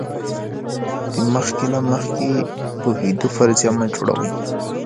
د مخکې له مخکې پوهېدو فرضیه مه جوړوئ.